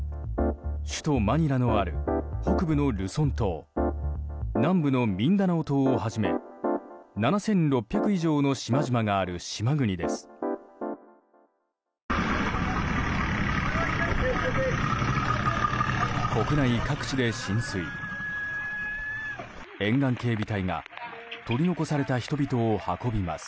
首都マニラのある北部のルソン島南部のミンダナオ島をはじめ７６００以上の島々がある島国です。